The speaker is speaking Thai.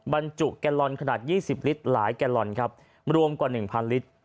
บรรจุแกลลอนขนาด๒๐ลิตรหลายแกลลอนครับรวมกว่า๑๐๐ลิตร